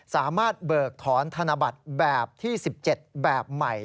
เบิกถอนธนบัตรแบบที่๑๗แบบใหม่